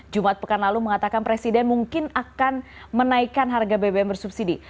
jumat pekan lalu mengatakan presiden mungkin akan menaikkan harga bbm bersubsidi